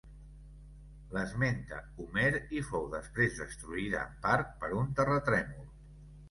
L'esmenta Homer i fou després destruïda en part per un terratrèmol.